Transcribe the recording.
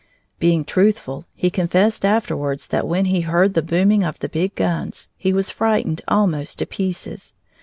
Being truthful, he confessed afterwards that when he heard the booming of the big guns, he was frightened almost to pieces.